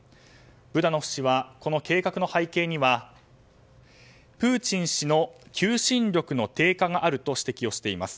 ブダノフ氏はこの計画の背景にはプーチン氏の求心力の低下があると指摘しています。